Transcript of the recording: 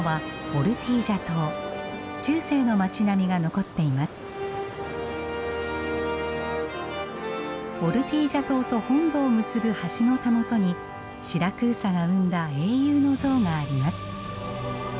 オルティージャ島と本土を結ぶ橋のたもとにシラクーサが生んだ英雄の像があります。